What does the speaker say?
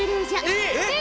え？